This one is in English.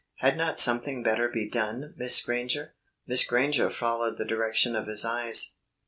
"Had not something better be done, Miss Granger?" Miss Granger followed the direction of his eyes.